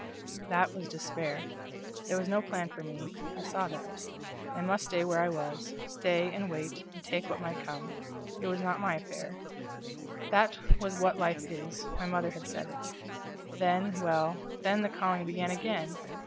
That was despair. There was no plan for me; I saw that; I must stay where I was; stay, and wait, and take what might come it was not my affair; that was what life is my mother had said it. Then well, then the calling began again!